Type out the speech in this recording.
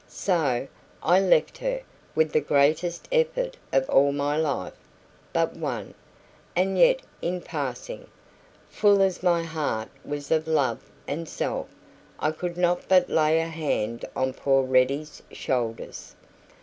So I left her, with the greatest effort of all my life (but one); and yet in passing, full as my heart was of love and self, I could not but lay a hand on poor Ready's shoulders.